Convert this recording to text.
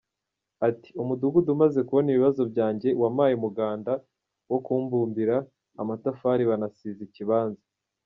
Ati“Umudugudu umaze kubona ibibazo byanjye wampaye umuganda wo kumbumbira amatafari banasiza ikibanza.